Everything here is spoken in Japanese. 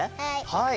はい。